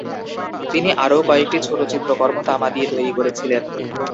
তিনি আরও কয়েকটি ছোট চিত্রকর্ম তামা দিয়ে তৈরি করেছিলেন।